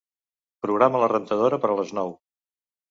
Programa la rentadora per a les nou.